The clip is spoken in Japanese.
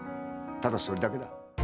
ただそれだけだ。